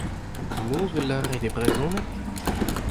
Penaos e vez lavaret e brezhoneg ?